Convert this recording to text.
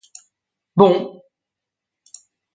Bon!